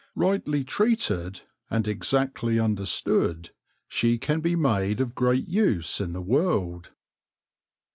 Rightly treated and exactly understood, she can be made of great use in the world.